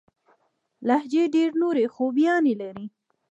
لهجې ډېري نوري خوباياني لري.